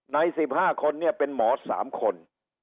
ใน๑๕คนเนี่ยเป็นหมอ๓คน